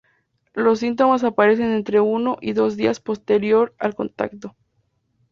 Los síntomas aparecen entre uno y dos días posterior al contacto.